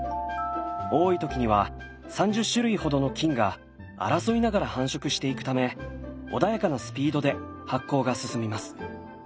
多い時には３０種類ほどの菌が争いながら繁殖していくため穏やかなスピードで発酵が進みます。